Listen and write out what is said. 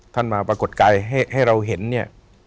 มาปรากฏกายให้เราเห็นเนี่ย